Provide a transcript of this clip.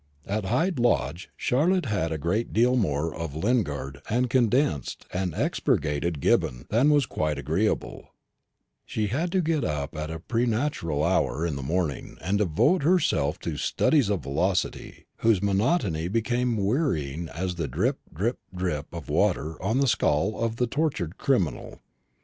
At Hyde Lodge Charlotte had a great deal more of Lingard and condensed and expurgated Gibbon than was quite agreeable; she had to get up at a preternatural hour in the morning and to devote herself to "studies of velocity," whose monotony became wearing as the drip, drip, drip of water on the skull of the tortured criminal.